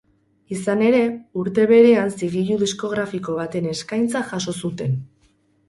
Izan ere, urte berean zigilu diskografiko baten eskaintza jaso zuten.